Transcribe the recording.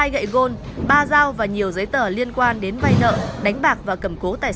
hai gậy gôn ba dao và nhiều giấy tờ